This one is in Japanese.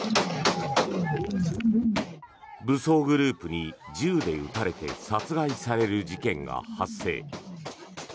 武装グループに銃で撃たれて殺害される事件が発生。